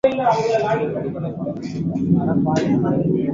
Fresnel வில்லை என்றால் என்ன?